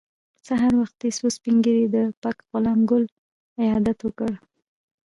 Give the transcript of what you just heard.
سهار وختي څو سپین ږیرو د پک غلام ګل عیادت وکړ.